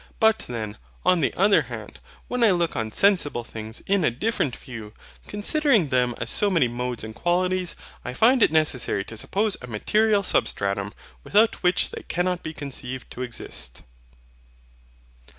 But then, on the other hand, when I look on sensible things in a different view, considering them as so many modes and qualities, I find it necessary to suppose a MATERIAL SUBSTRATUM, without which they cannot be conceived to exist.